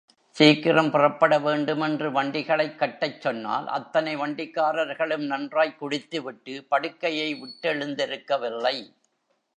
சீக்கிரம் புறப்பட வேண்டுமென்று, வண்டிகளைக் கட்டச் சொன்னால், அத்தனை வண்டிக்காரர்களும், நன்றாய்க் குடித்து விட்டு, படுக்கையை விட்டெழுந்திருக்கவில்லை.